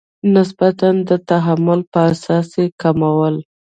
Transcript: نسبتا د تحمل په اساس یې کمول.